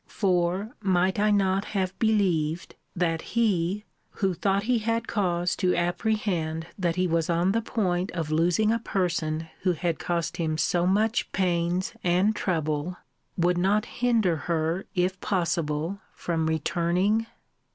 For, might I not have believed, that he, who thought he had cause to apprehend that he was on the point of losing a person who had cost him so much pains and trouble, would not hinder her, if possible, from returning?